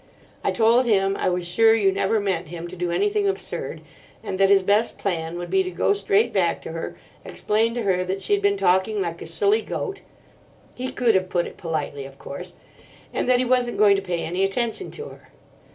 I told him I was sure you never meant him to do anything absurd; and that his best plan would be to go straight back to her, explain to her that she'd been talking like a silly goat—he could have put it politely, of course—and that he wasn't going to pay any attention to her.